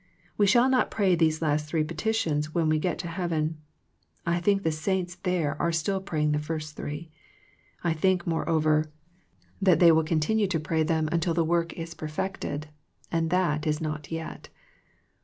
We shall not pray these last three petitions when we get to heaven. I think the saints there are still praying the first three. I think, moreover, that they will continue to pray them until the 70 THE PEACTICE OF PEAYER work is perfected, and that is not yet.